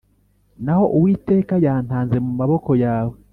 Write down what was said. naho Uwiteka yantanze mu maboko yawe.